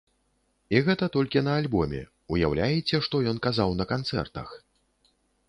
І гэта толькі на альбоме, уяўляеце што ён казаў на канцэртах?